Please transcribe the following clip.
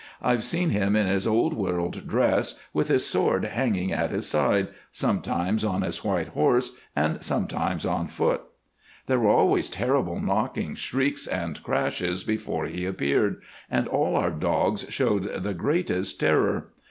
I've seen him in his old world dress with his sword hanging at his side, sometimes on his white horse and sometimes on foot. "There were always terrible knockings, shrieks, and crashes before he appeared, and all our dogs showed the greatest terror.